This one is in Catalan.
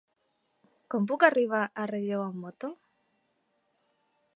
Com puc arribar a Relleu amb moto?